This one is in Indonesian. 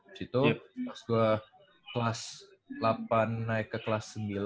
disitu pas gue kelas delapan naik ke kelas sembilan